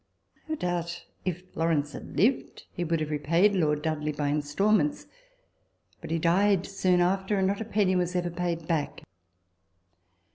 No doubt, if Lawrence had lived, he would have repaid Lord Dudley by instalments ; but he died soon after, and not a penny was ever paid back.